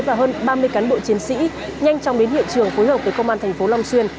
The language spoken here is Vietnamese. và hơn ba mươi cán bộ chiến sĩ nhanh chóng đến hiện trường phối hợp với công an thành phố long xuyên